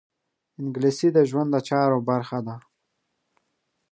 انګلیسي د ژوند د چارو برخه ده